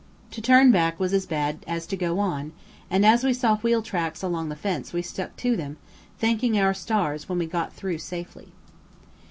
To turn back was as bad as to go on, and as we saw wheel tracks along the fence we stuck to them, thanking our stars when we got through safely.